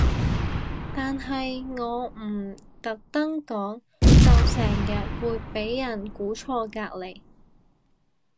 但係我唔特登講就成日會俾人估錯隔離